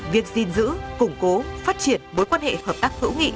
việc gìn giữ củng cố phát triển bối quan hệ hợp tác hữu nghị